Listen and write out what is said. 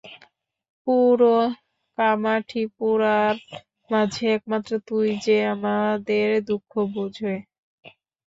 পুরো কামাঠিপুরার মাঝে একমাত্র তুই যে আমাদের দুঃখ বুঝে।